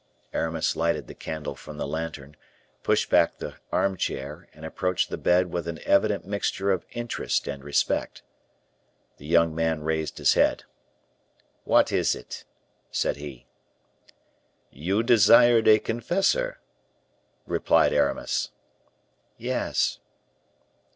Aramis lighted the candle from the lantern, pushed back the armchair, and approached the bed with an evident mixture of interest and respect. The young man raised his head. "What is it?" said he. "You desired a confessor?" replied Aramis. "Yes."